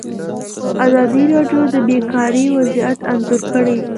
ازادي راډیو د بیکاري وضعیت انځور کړی.